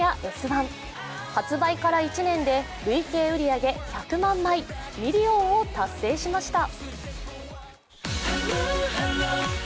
発売から１年で累計売り上げ１００万枚、ミリオンを達成しました。